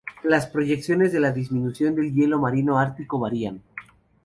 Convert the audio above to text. Las proyecciones de la disminución del hielo marino ártico varían.